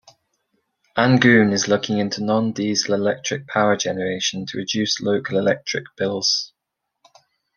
Angoon is looking into non-diesel electric power generation to reduce local electric bills.